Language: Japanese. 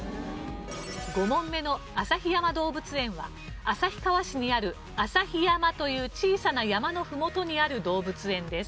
５問目の旭山動物園は旭川市にある旭山という小さな山のふもとにある動物園です。